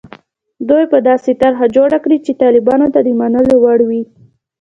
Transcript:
دوی به داسې طرح جوړه کړي چې طالبانو ته د منلو وړ وي.